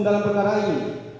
dalam perkara ini